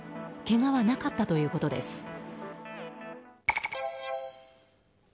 けがはなかったということです。